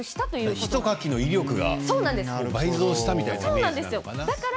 ひとかきの威力が倍増したみたいなイメージなのかな。